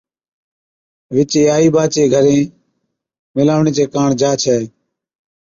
وِچي آئِي ٻا چي گھرين مِلاوڻي چي ڪاڻ جا ڇَي